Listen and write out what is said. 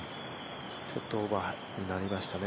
ちょっとオーバーになりましたね。